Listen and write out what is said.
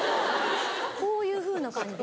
こういうふうな感じで。